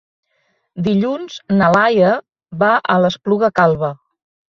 Dilluns na Laia va a l'Espluga Calba.